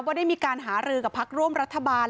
ได้มีการหารือกับพักร่วมรัฐบาล